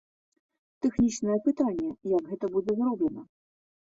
Тэхнічнае пытанне, як гэта будзе зроблена.